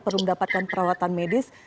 perlu mendapatkan perawatan medis